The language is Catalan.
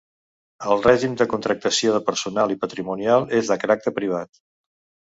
El règim de contractació de personal i patrimonial és de caràcter privat.